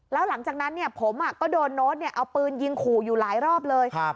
แล้วหลังจากนั้นผมก็โดนโน้ตเอาปืนยิงขู่อยู่หลายรอบเลย